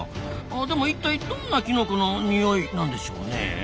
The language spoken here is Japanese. でも一体どんなきのこの匂いなんでしょうねえ？